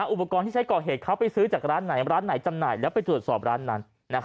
อุปกรณ์ที่ใช้ก่อเหตุเขาไปซื้อจากร้านไหนร้านไหนจำหน่ายแล้วไปตรวจสอบร้านนั้น